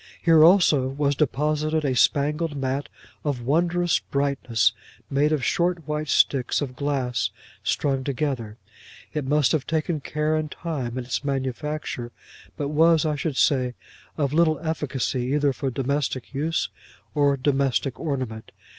Here also was deposited a spangled mat of wondrous brightness, made of short white sticks of glass strung together. It must have taken care and time in its manufacture, but was, I should say, but of little efficacy either for domestic use or domestic ornament.